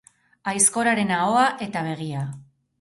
Aizkoraren ahoa eta begia.